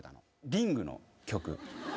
『リング』の曲。